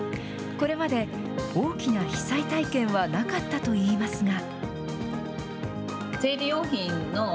これまで大きな被災体験はなかったといいますが。